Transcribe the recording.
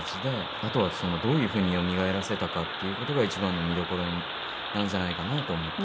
あとはどういう風によみがえらせたかっていう事が一番の見どころなんじゃないかなと思っています。